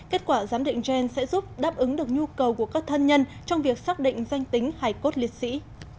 kết quả giám định gen sẽ giúp đáp ứng được nhu cầu của các thân nhân trong việc xác định danh tính hải cốt liệt sĩ